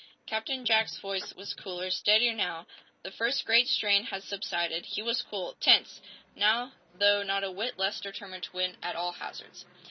Captain Jack's voice was cooler, steadier, now. The first great strain had subsided. He was cool, tense, now though not a whit less determined to win at all hazards.